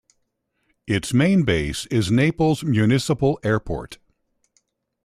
Its main base is Naples Municipal Airport.